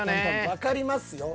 わかりますよ。